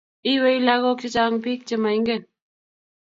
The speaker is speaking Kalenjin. Iywei lagok che chang' biik che maingen